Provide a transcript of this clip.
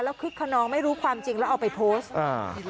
แล้วคลิกคนนอกไม่รู้ความจริงแล้วเอาไปโพสต์